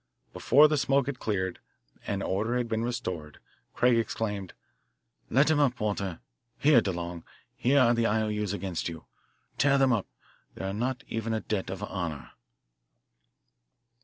Before the smoke had cleared and order had been restored, Craig exclaimed: "Let him up, Walter. Here, DeLong, here are the I.O.U.'s against you. Tear them up they are not even a debt of honour."